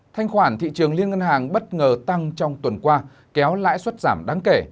thanh khoản thị trường liên ngân hàng bất ngờ tăng trong tuần qua kéo lãi suất giảm đáng kể